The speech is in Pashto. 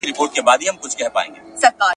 • لالا راوړې، لالا خوړلې.